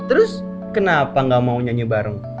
terus kenapa gak mau nyanyi bareng